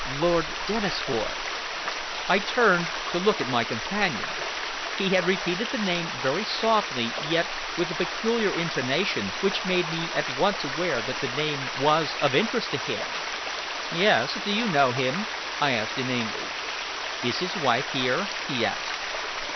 "Lord Dennisford!" I turned to look at my companion. He had repeated the name very softly, yet with a peculiar intonation, which made me at once aware that the name was of interest to him. "Yes! Do you know him?" I asked inanely. "Is his wife here?" he asked.